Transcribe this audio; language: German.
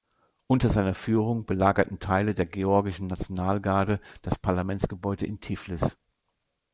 Unter seiner Führung belagerten Teile der georgischen Nationalgarde das Parlamentsgebäude in Tiflis.